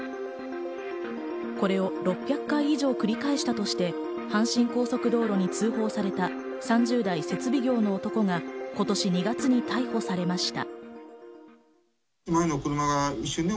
これを６００回以上繰り返したとして阪神高速道路に通報された３０代設備業の男が今年２月に逮捕されました。